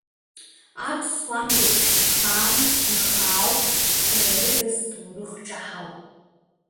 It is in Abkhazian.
Аԥсуа Ан леиԥш ихаан ихаауп, дара рыда сҭоурых ҿаҳауп…